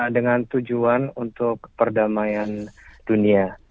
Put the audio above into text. dengan tujuan untuk perdamaian dunia